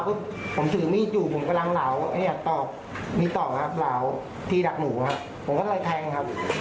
ผมถือมีดจูบผมกำลังเหลามีต่อเหลาทีดักหนูผมก็เลยแทงครับ